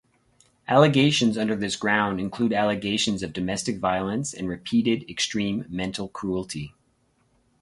Allegations under this ground include allegations of domestic violence and repeated, extreme mental cruelty.